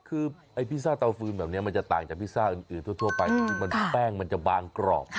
คือไอ้พิซซ่าเตาฟืนแบบนี้มันจะต่างจากพิซซ่าอื่นทั่วไปแป้งมันจะบางกรอบ